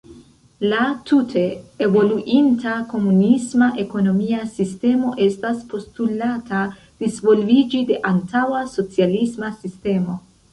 La tute evoluinta komunisma ekonomia sistemo estas postulata disvolviĝi de antaŭa socialisma sistemo.